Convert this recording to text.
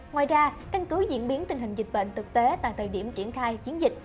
ngoài ra căn cứ diễn biến tình hình dịch bệnh thực tế tại thời điểm triển khai chiến dịch